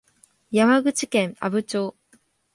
山口県阿武町